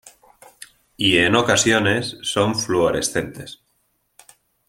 Y en ocasiones son fluorescentes.